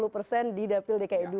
dua puluh persen di dapil dki dua